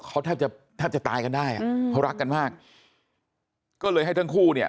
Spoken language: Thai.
เขาถ้าจะตายกันได้เพราะรักกันมากก็เลยให้ทั้งคู่เนี่ย